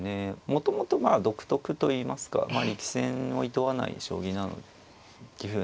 もともと独特といいますか力戦をいとわない棋風なので。